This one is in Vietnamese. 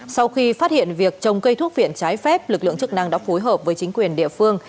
sau khi phát hiện việc trồng cây thuốc viện trái phép lực lượng chức năng đã phối hợp với chính quyền địa phương